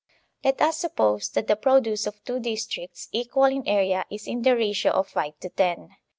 Let us suppose that the produce of two districts equal in area is in the ratio of five to ten.